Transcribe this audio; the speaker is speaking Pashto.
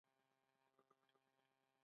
الماري د مجلس خونې برخه ده